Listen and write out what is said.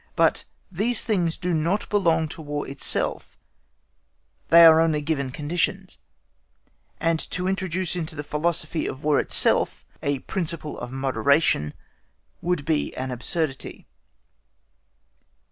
But these things do not belong to War itself; they are only given conditions; and to introduce into the philosophy of War itself a principle of moderation would be an absurdity.